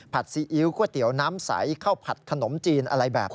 ซีอิ๊วก๋วยเตี๋ยวน้ำใสข้าวผัดขนมจีนอะไรแบบนี้